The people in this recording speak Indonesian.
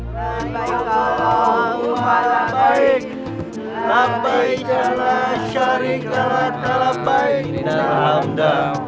waalaikumsalam warahmatullahi wabarakatuh